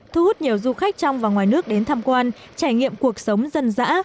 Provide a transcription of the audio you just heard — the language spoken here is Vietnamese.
thu hút nhiều du khách trong và ngoài nước đến tham quan trải nghiệm cuộc sống dân dã